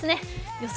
予想